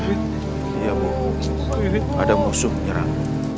iya bu ada musuh menyerang